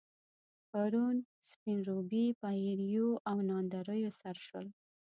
پرون، سپين روبي په ايريو او ناندريو سر شول.